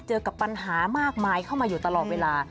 เจอกับปัญหามากมายเข้ามาอยู่ตลอดเวลา